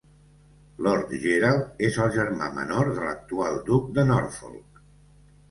Lord Gerald és el germà menor de l'actual duc de Norfolk.